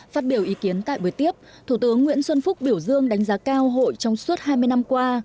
phát biểu ý kiến tại buổi tiếp thủ tướng nguyễn xuân phúc biểu dương đánh giá cao hội trong suốt hai mươi năm qua